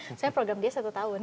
misalnya program dia satu tahun